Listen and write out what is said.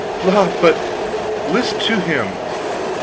"La, but list to him!